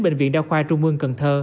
bệnh viện đao khoa trung mương cần thơ